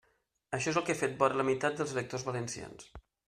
Això és el que ha fet vora la meitat dels electors valencians.